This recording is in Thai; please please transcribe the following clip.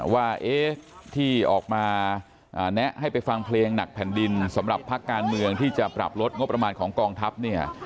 ว่าที่ออกมาแนะให้ไปฟังเพลงหนักแผ่นดินสำหรับภาคการเมืองที่จะปรับลดงบประมาณของกองทัพเนี่ย